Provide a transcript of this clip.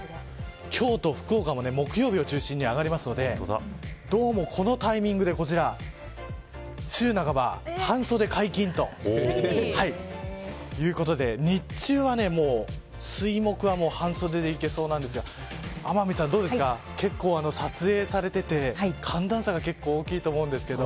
京都、福岡も木曜日を中心に上がるのでどうもこのタイミングで週半ば半袖解禁ということで日中は水、木は半袖でいけそうなんですが天海さん、どうですか撮影されてて寒暖差が結構大きいと思うんですけど。